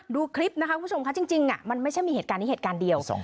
ดูคลิปนะคะคุณผู้ชมค่ะจริงมันไม่ใช่มีเหตุการณ์นี้เหตุการณ์เดียว